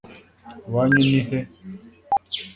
Iwanyu ni he?